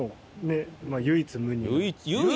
唯一無二？